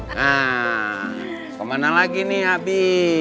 nah kemana lagi nih habi